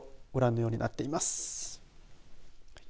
ご覧のようになっています。